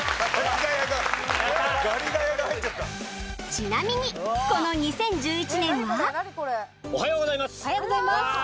ちなみにこの２０１１年はおはようございます。